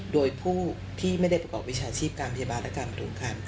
โดยผู้ที่ไม่ได้ประกอบวิชาชีพการพยาบาลและการปรุงคัน